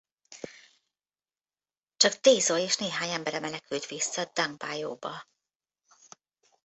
Csak Daeso és néhány embere menekült vissza Dongbuyeo-ba.